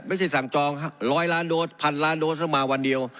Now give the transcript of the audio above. สั่งจองร้อยล้านโดสพันล้านโดสเข้ามาวันเดียว